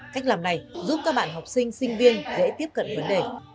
cách làm này giúp các bạn học sinh sinh viên dễ tiếp cận vấn đề